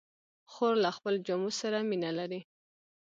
خور له خپلو جامو سره مینه لري.